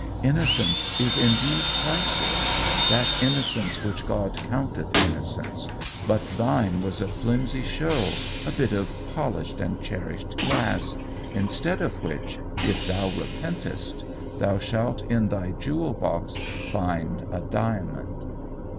Innocence is indeed priceless that innocence which God counteth innocence, but thine was a flimsy show, a bit of polished and cherished glass instead of which, if thou repentest, thou shalt in thy jewel box find a diamond.